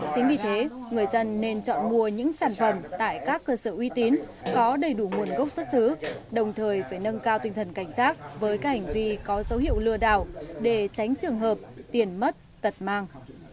chính vì thế người dân nên chọn mua những sản phẩm tại các cơ sở uy tín có đầy đủ nguồn gốc xuất xứ đồng thời phải nâng cao tinh thần cảnh giác với các hành vi có dấu hiệu lừa đảo để tránh trường hợp tiền mất tật mang